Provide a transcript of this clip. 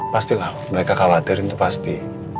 pastilah mereka khawatir itu pasti